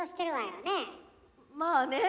まあね。